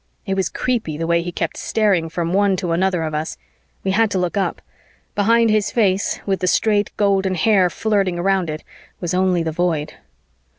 It was creepy the way he kept staring from one to another of us. We had to look up. Behind his face, with the straight golden hair flirting around it, was only the Void.